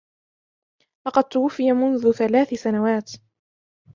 لقد توفي منذ ثلاث سنوات.